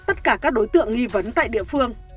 tất cả các đối tượng nghi vấn tại địa phương